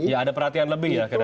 ya ada perhatian lebih ya ke depan